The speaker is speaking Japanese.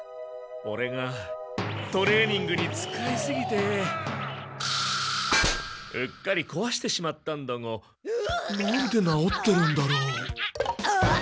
オレがトレーニングに使いすぎてうっかり壊してしまったんだがなんで直ってるんだろう？